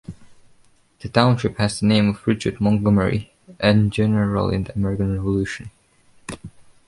The township has the name of Richard Montgomery, an general in the American Revolution.